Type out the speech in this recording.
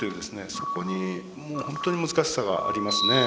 そこにほんとに難しさがありますね。